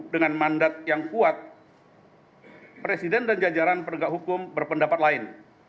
dengan mandat yang kuat presiden dan jajaran penegak hukum berpendapat lain